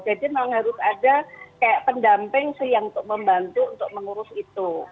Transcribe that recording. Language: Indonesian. jadi memang harus ada kayak pendamping sih yang untuk membantu untuk mengurus itu